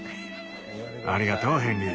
ありがとうヘンリー。